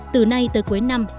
từ nay tới cuối năm